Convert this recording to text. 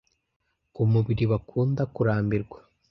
ku mubiri bakunda kurambirwa